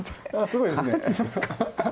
すごいですね。